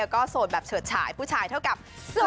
ก็โสดแบบเฉิดฉายผู้ชายเท่ากับโสด